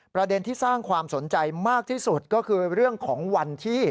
ประเด็นที่สร้างความสนใจมากที่สุดก็คือเรื่องของวันที่